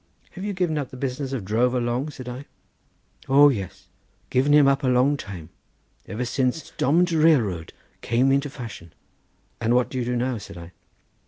"Have you given up the business of drover long?" said I. "O yes; given him up a long time ever since domm'd railroad came into fashion." "And what do you do now?" said I.